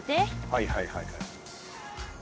はいはいはいはい。